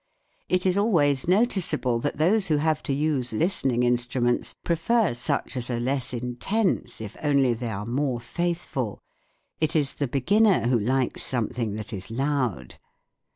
It is always noticeable that those who have to use listening instruments prefer such as are less intense if only they are more faithful : it is the beginner who likes something that is loud.